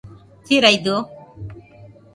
Siraidɨo